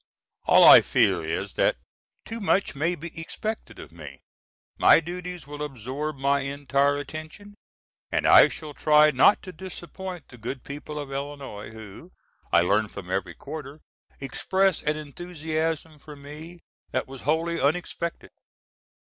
All I fear is that too much may be expected of me. My duties will absorb my entire attention, and I shall try not to disappoint the good people of Illinois, who, I learn from every quarter, express an enthusiasm for me that was wholly unexpected.